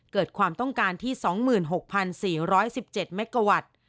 เกิดความต้องการที่๒๖๔๑๗เมกาวัตต์